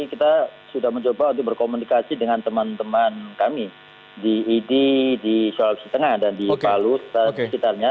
kita sudah mencoba untuk berkomunikasi dengan teman teman kami di idi di sulawesi tengah dan di palu sekitarnya